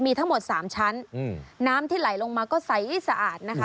มีทั้งหมดสามชั้นน้ำที่ไหลลงมาก็ใสสะอาดนะคะ